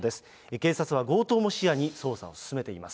警察は強盗も視野に捜査を進めています。